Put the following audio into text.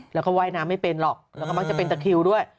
แล้วก็ว่ายน้ำไม่เป็นหรอกแล้วก็มักจะเป็นตะคิวด้วย